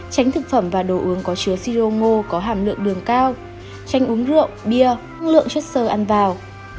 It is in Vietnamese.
tránh thực phẩm và đồ uống có chứa si rô ngô có hàm lượng đường cao tránh uống rượu bia lượng chất xơ ăn vào